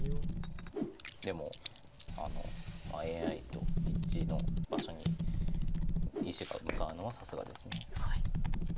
でもＡＩと一致の場所に石が向かうのはさすがです。